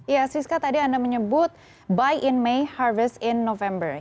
ya siska tadi anda menyebut buy in may harvest in november